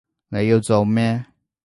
你要做咩？